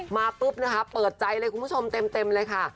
มาปุ๊บนะคะเปิดใจเลยคุณผู้ชมเต็มเลยค่ะ